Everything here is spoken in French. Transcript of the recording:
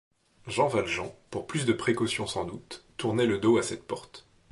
Jean Valjean, pour plus de précaution sans doute, tournait le dos à cette porte.